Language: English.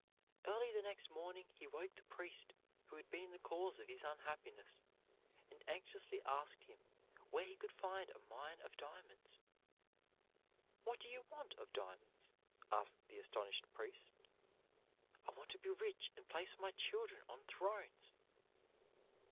Early the next morning he woke the priest who had been the cause of his unhappiness, and anxiously asked him where he could find a mine of diamonds. "What do you want of diamonds?" asked the astonished priest. "I want to be rich and place my children on thrones."